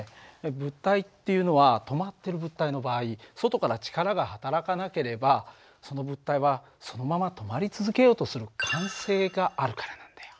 物体っていうのは止まってる物体の場合外から力がはたらかなければその物体はそのまま止まり続けようとする慣性があるからなんだよ。